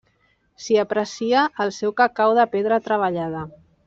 S'hi aprecia el seu cacau de pedra treballada.